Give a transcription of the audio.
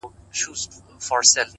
تاسو په درد مه كوئ!!